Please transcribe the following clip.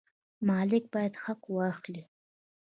مالک باید حق واخلي.